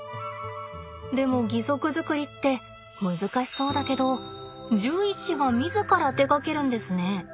でも義足作りって難しそうだけど獣医師が自ら手がけるんですね。